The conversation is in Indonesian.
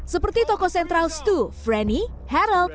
seperti tokoh sentral stu franny harold